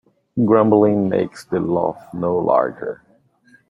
Grumbling makes the loaf no larger.